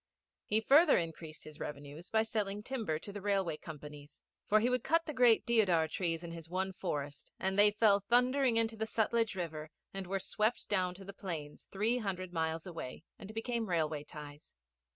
He further increased his revenues by selling timber to the Railway companies; for he would cut the great deodar trees in his one forest, and they fell thundering into the Sutlej river and were swept down to the plains three hundred miles away and became railway ties.